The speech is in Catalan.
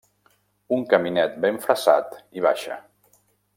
Un caminet ben fressat hi baixa.